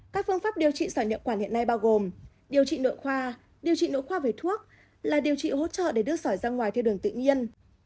các phương pháp điều trị sỏi nhập quản hiện nay bao gồm điều trị nội khoa điều trị nội khoa về thuốc là điều trị hỗ trợ để đưa sỏi ra ngoài theo đường tự nhiên